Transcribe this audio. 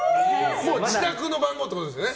自宅の番号ってことですね。